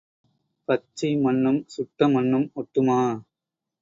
பச்சை மண்ணும் சுட்டமண்ணும் ஒட்டுமா?